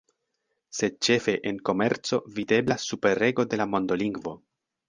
Sed ĉefe en komerco videblas superrego de la mondolingvo.